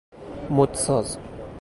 مدساز